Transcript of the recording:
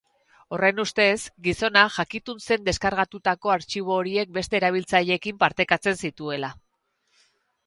Horren ustez, gizona jakitun zen deskargatutako artxibo horiek beste erabiltzaileekin partekatzen zituela.